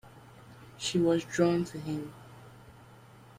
She was drawn to him.